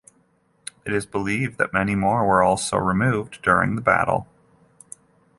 It is believed that many more were also removed during the battle.